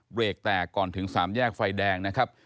เบรกแตกก่อนถึงสามแยกไฟแดงนะครับ